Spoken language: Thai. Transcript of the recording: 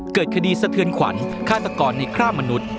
เกิดคดีสะเทือนขวัญฆาตกรในฆ่ามนุษย์